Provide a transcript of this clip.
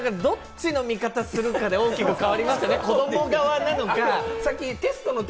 この交渉、どっちの味方するかで大きく変わりますね。